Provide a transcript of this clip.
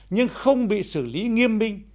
nhưng không bị xử lý nghiêm binh